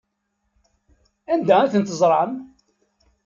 Anda ay ten-teẓram?